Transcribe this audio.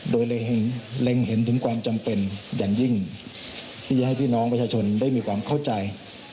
โดยเล็งเห็นถึงความจำเป็นอย่างยิ่งที่จะให้พี่น้องประชาชนได้มีความเข้าใจ